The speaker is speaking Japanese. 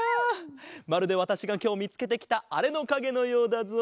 まるでわたしがきょうみつけてきたあれのかげのようだぞ。